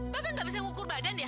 bapak tidak bisa mengukur badan ya